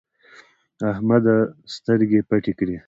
احمده سترګې پټې کړې.